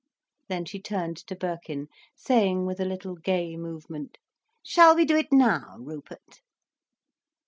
Then she turned to Birkin, saying with a little gay movement: "Shall we do it now, Rupert?"